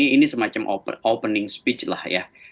ini semacam opening speech lah ya